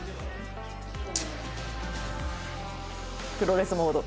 プロレスモード。